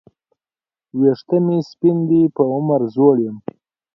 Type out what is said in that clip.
وېښته مي سپین دي په عمر زوړ یم